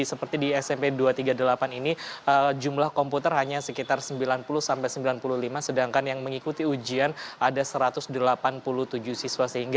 seperti di smp dua ratus tiga puluh delapan ini jumlah komputer hanya sekitar sembilan puluh sampai sembilan puluh lima sedangkan yang mengikuti ujian ada satu ratus delapan puluh tujuh siswa